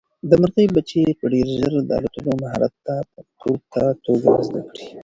د مرغۍ بچي به ډېر ژر د الوتلو مهارت په پوره توګه زده کړي.